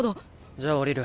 じゃあ降りる？